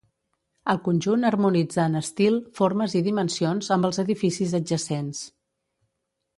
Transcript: El conjunt harmonitza en estil, formes i dimensions amb els edificis adjacents.